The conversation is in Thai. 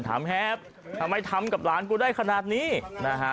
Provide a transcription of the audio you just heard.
แฮปทำไมทำกับหลานกูได้ขนาดนี้นะฮะ